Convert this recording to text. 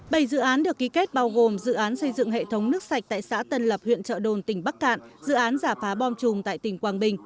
bảy dự án được ký kết bao gồm dự án xây dựng hệ thống nước sạch tại xã tân lập huyện trợ đồn tỉnh bắc cạn dự án giả phá bom chùm tại tỉnh quảng bình